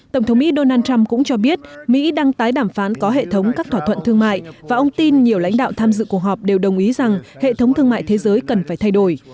tổng thống mỹ donald trump cũng cho biết mỹ đang tái đàm phán có hệ thống các thỏa thuận thương mại và ông tin nhiều lãnh đạo tham dự cuộc họp đều đồng ý rằng hệ thống thương mại thế giới cần phải thay đổi